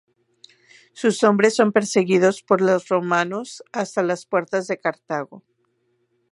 Sus hombres son perseguidos por los romanos hasta las puertas de Cartago.